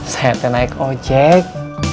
saya teh naik ojek